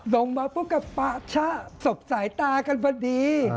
ลงมาปุ๊บก็ปะชะศพสายตากันพอดี